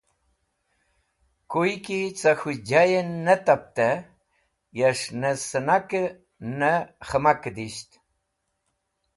Kuy ki ce k̃hũ jayẽn ne taptẽ yash ne sẽnakẽ nẽ khẽmakẽ disht.